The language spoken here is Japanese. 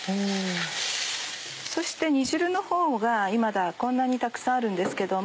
そして煮汁のほうがまだこんなにたくさんあるんですけども。